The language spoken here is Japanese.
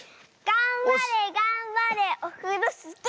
がんばれがんばれオフロスキー！